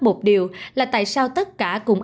một điều là tại sao tất cả cùng